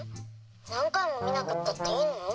何回も見なくったっていいのよ。